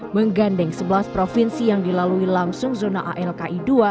menggandeng sebelas provinsi yang dilalui langsung zona alki dua